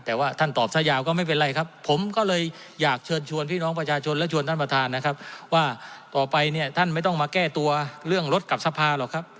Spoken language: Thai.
แต่ว่าท่านตอบซะยาวก็ไม่เป็นไรครับผมก็เลยอยากเชิญชวนพี่น้องประชาชนและชวนท่านประธานนะครับว่าต่อไปเนี่ยท่านไม่ต้องมาแก้ตัวเรื่องรถกับสภาหรอกครับ